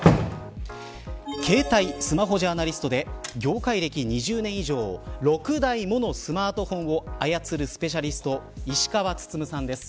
携帯・スマホジャーナリストで業界歴２０年以上６台ものスマートフォンを操るスペシャリスト石川温さんです。